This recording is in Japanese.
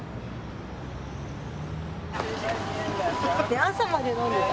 朝まで飲んでた？